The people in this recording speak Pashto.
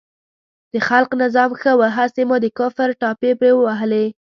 د خلق نظام ښه و، هسې مو د کفر ټاپې پرې ووهلې.